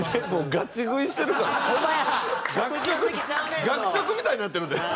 学食学食みたいになってるで。